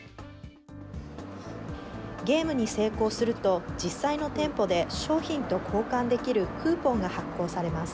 ゲームに成功すると、実際の店舗で商品と交換できるクーポンが発行されます。